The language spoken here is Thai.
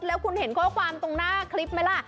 แล้วคุณเห็นข้อความตรงหน้าคลิปไหมล่ะ